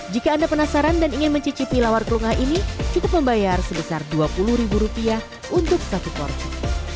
jika anda penasaran dan ingin mencicipi lawar kelungah ini cukup membayar sebesar dua puluh ribu rupiah untuk satu porsi